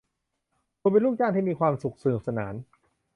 คุณเป็นลูกจ้างที่มีความสุขสนุกสนาน